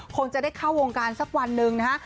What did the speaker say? คงจะได้เข้าวงการสักวันหนึ่งนะฮะ